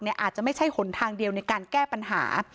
อาจจะไม่ใช่หนทางเดียวในการแก้ปัญหา